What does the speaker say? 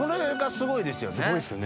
すごいですよね。